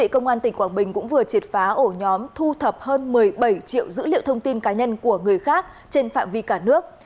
công an tỉnh quảng bình cũng vừa triệt phá ổ nhóm thu thập hơn một mươi bảy triệu dữ liệu thông tin cá nhân của người khác trên phạm vi cả nước